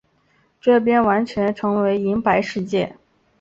这边完全变成银白世界